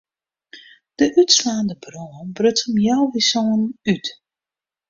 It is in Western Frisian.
De útslaande brân bruts om healwei sânen út.